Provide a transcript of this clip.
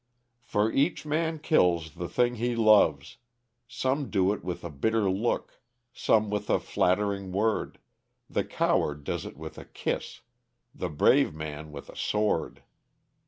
"For each man kills the thing he loves Some do it with a bitter look, Some with a flattering word; The coward does it with a kiss, The brave man with a sword.